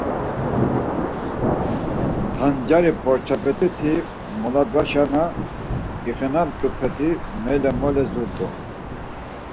T̆ancari porçapete ti moladvaşe na ixenamt̆upeti mele mole zurt̆u.